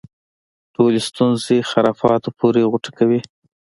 ټولې ستونزې خرافاتو پورې غوټه کوي.